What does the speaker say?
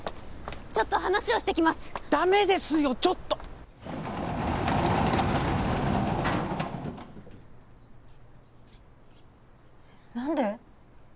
ちょっと話をしてきますダメですよちょっと何で！？